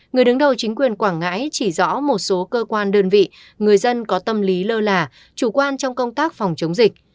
người đứng đầu chính quyền quảng ngãi chỉ rõ một số cơ quan đơn vị người dân có tâm lý lơ là chủ quan trong công tác phòng chống dịch